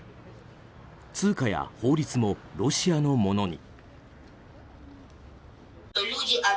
通貨や法律もロシアのものに。